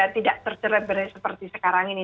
tidak tercereber seperti sekarang ini